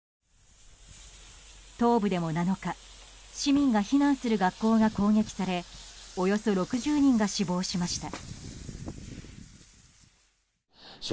東部でも７日市民が避難する学校が攻撃されおよそ６０人が死亡しました。